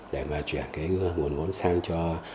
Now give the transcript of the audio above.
để mà chuyển cái nguồn vốn sang cho